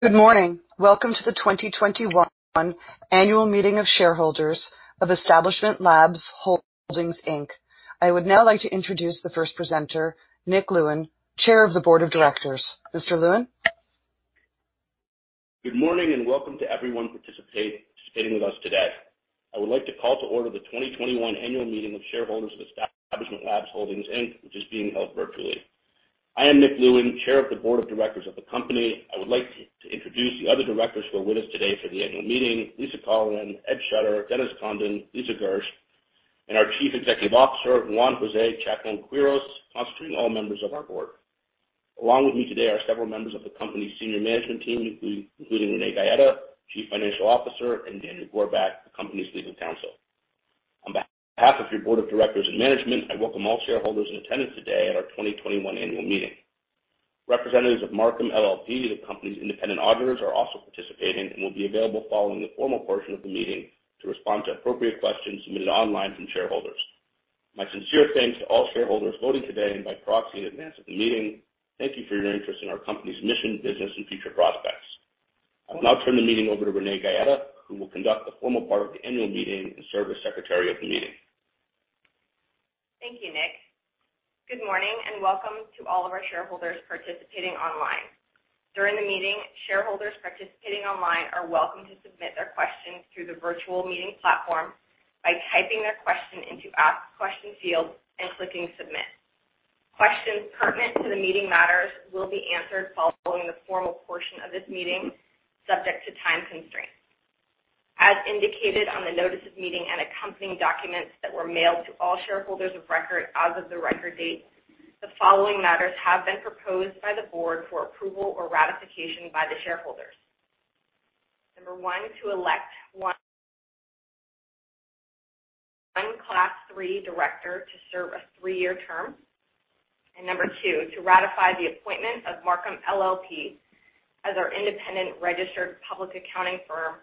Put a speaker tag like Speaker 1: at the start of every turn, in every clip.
Speaker 1: Good morning. Welcome to the 2021 Annual Meeting of Shareholders of Establishment Labs Holdings, Inc. I would now like to introduce the first presenter, Nick Lewin, Chair of the Board of Directors. Mr. Lewin?
Speaker 2: Good morning and welcome to everyone participating with us today. I would like to call to order the 2021 annual meeting of shareholders of Establishment Labs Holdings, Inc., which is being held virtually. I am Nick Lewin, chair of the board of directors of the company. I would like to introduce the other directors who are with us today for the annual meeting, Lisa Colleran, Ed Schutter, Dennis Condon, Lisa Gersh, and our Chief Executive Officer, Juan José Chacón-Quirós, constituting all members of our board. Along with me today are several members of the company's senior management team, including Renee Gaeta, Chief Financial Officer, and Daniel Gorbach, the company's legal counsel. On behalf of your board of directors and management, I welcome all shareholders in attendance today at our 2021 annual meeting. Representatives of Marcum LLP, the company's independent auditors, are also participating and will be available following the formal portion of the meeting to respond to appropriate questions submitted online from shareholders. My sincere thanks to all shareholders voting today and by proxy in advance of the meeting. Thank you for your interest in our company's mission, business, and future prospects. I will now turn the meeting over to Renee Gaeta, who will conduct the formal part of the annual meeting and serve as secretary of the meeting.
Speaker 3: Thank you, Nick. Good morning and welcome to all of our shareholders participating online. During the meeting, shareholders participating online are welcome to submit their questions through the virtual meeting platform by typing their question into Ask Question field and clicking Submit. Questions pertinent to the meeting matters will be answered following the formal portion of this meeting, subject to time constraints. As indicated on the notice of meeting and accompanying documents that were mailed to all shareholders of record as of the record date, the following matters have been proposed by the board for approval or ratification by the shareholders. Number one, to elect one Class III director to serve a three-year term. Number two, to ratify the appointment of Marcum LLP as our independent registered public accounting firm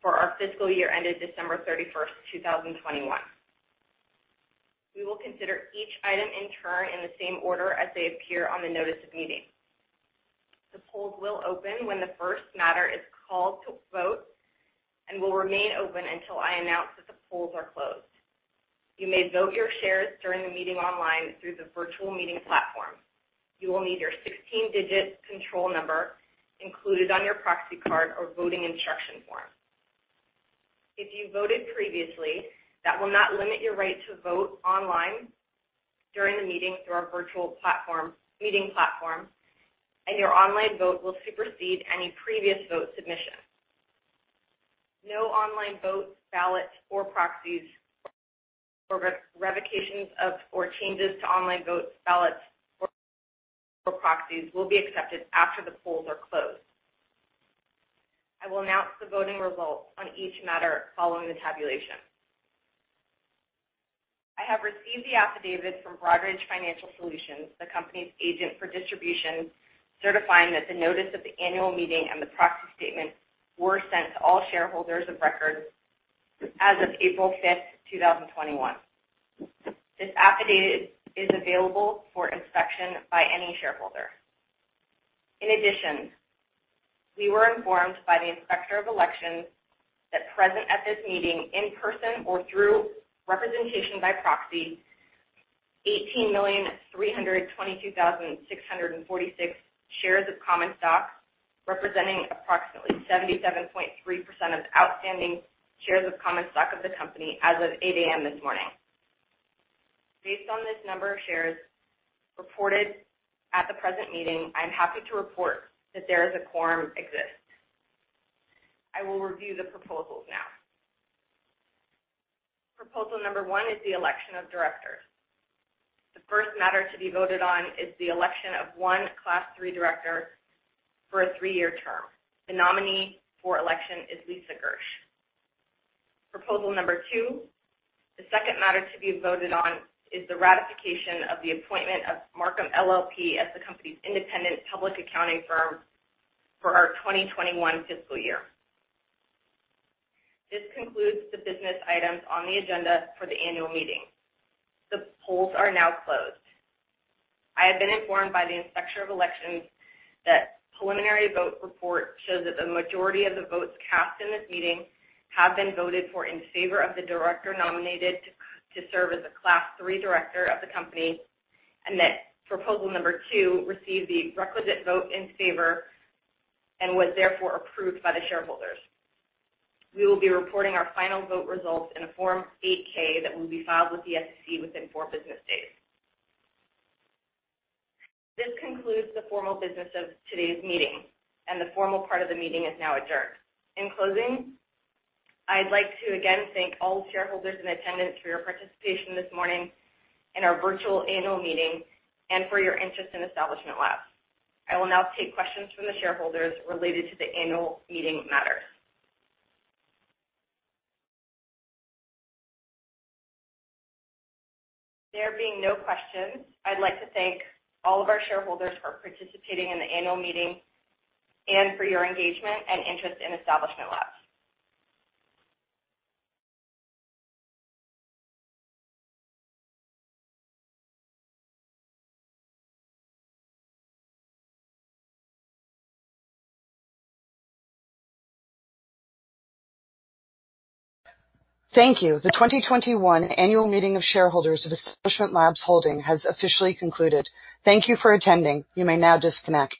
Speaker 3: for our fiscal year ended December thirty-first, 2021. We will consider each item in turn in the same order as they appear on the notice of meeting. The polls will open when the first matter is called to vote and will remain open until I announce that the polls are closed. You may vote your shares during the meeting online through the virtual meeting platform. You will need your 16-digit control number included on your proxy card or voting instruction form. If you voted previously, that will not limit your right to vote online during the meeting through our virtual meeting platform, and your online vote will supersede any previous vote submission. No online votes, ballots or proxies or revocations of, or changes to online votes, ballots or proxies will be accepted after the polls are closed. I will announce the voting results on each matter following the tabulation. I have received the affidavit from Broadridge Financial Solutions, the company's agent for distribution, certifying that the notice of the annual meeting and the proxy statement were sent to all shareholders of record as of April 5th, 2021. This affidavit is available for inspection by any shareholder. In addition, we were informed by the Inspector of Elections that present at this meeting in person or through representation by proxy, 18,322,646 shares of common stock, representing approximately 77.3% of outstanding shares of common stock of the company as of 8:00 A.M. this morning. Based on this number of shares reported at the present meeting, I'm happy to report that there is a quorum exists. I will review the proposals now. Proposal number one is the election of directors. The first matter to be voted on is the election of one Class III director for a three-year term. The nominee for election is Lisa Gersh. Proposal number two, the second matter to be voted on is the ratification of the appointment of Marcum LLP as the company's independent public accounting firm for our 2021 fiscal year. This concludes the business items on the agenda for the annual meeting. The polls are now closed. I have been informed by the Inspector of Elections that preliminary vote report shows that the majority of the votes cast in this meeting have been voted for in favor of the director nominated to serve as a Class III director of the company, and that proposal number two received the requisite vote in favor and was therefore approved by the shareholders. We will be reporting our final vote results in a Form 8-K that will be filed with the SEC within four business days. This concludes the formal business of today's meeting, and the formal part of the meeting is now adjourned. In closing, I'd like to again thank all shareholders in attendance for your participation this morning in our virtual annual meeting and for your interest in Establishment Labs. I will now take questions from the shareholders related to the annual meeting matters. There being no questions, I'd like to thank all of our shareholders for participating in the annual meeting and for your engagement and interest in Establishment Labs.
Speaker 1: Thank you. The 2021 Annual Meeting of Shareholders of Establishment Labs Holdings has officially concluded. Thank you for attending. You may now disconnect.